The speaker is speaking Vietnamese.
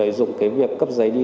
áp dụng các biện pháp nghiệp vụ